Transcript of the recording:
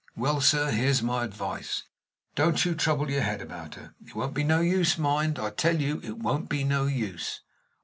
Well, sir, here's my advice: Don't you trouble your head about her. It won't be no use. Mind, I tell you, it won't be no use."